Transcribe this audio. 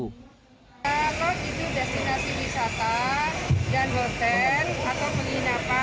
kalau itu destinasi wisata dan hotel atau penginapan di daerah yang masih zona merah